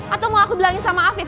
atau mau aku bilangin sama afif